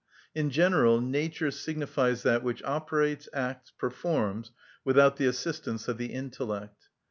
In general nature signifies that which operates, acts, performs without the assistance of the intellect.